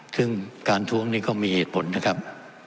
ซึ่งการทวงนี้ก็มีเหตุผลนะครับ